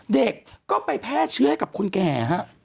เด็กก็ไปแพ่เชื้อกับคนแก่